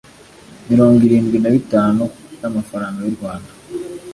Mirongo irindwi na bitanu by amafaranga y u rwanda